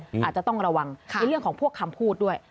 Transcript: อาจจะต้องระวังในเรื่องของพวกคำพูดด้วย